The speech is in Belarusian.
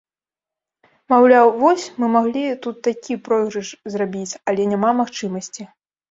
Маўляў, вось, мы маглі тут такі пройгрыш зрабіць, але няма магчымасці!